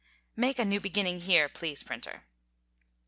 (Make a new beginning here, please, Printer.)